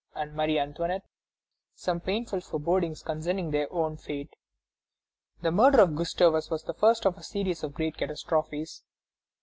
and Marie Antoinette some painful forebodings concerning their own fate. The murder of Gustavus was the first of a series of great catastrophes.